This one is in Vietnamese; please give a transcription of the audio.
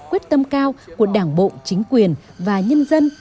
quyết tâm cao của đảng bộ chính quyền và nhân dân